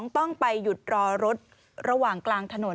ต้องไปหยุดรอรถระหว่างกลางถนน